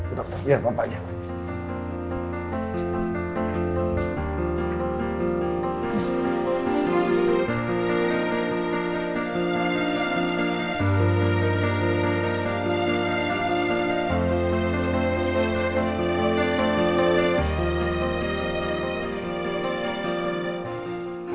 udah biar bapaknya